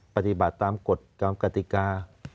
ปฏิบัติตามกฎตามกติกา